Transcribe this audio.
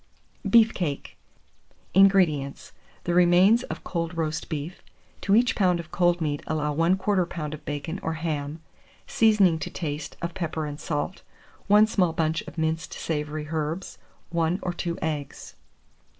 BEEF CAKE. 610. INGREDIENTS. The remains of cold roast beef; to each pound of cold meat allow 1/4 lb. of bacon or ham; seasoning to taste of pepper and salt, 1 small bunch of minced savoury herbs, 1 or 2 eggs.